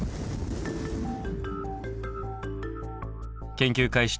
研究開始